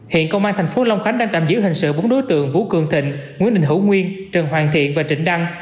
hiện công an thành phố long khánh đang tạm giữ hình sự bốn đối tượng vũ cường thịnh nguyễn đình hữu nguyên trần hoàng thiện và trịnh đăng